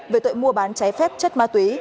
về tội mua bán trái phép chất ma túy